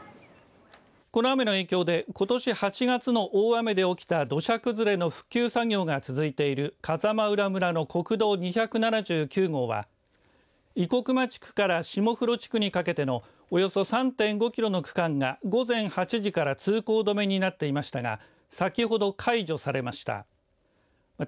この雨の影響でことし８月の大雨で起きた土砂崩れの復旧作業が続いている風間浦村の国道２７９号は易国街区から下風呂地区にかけてのおよそ３．５キロの区間が午前８時の時間から通行止めになっていましたが先ほど解除されました。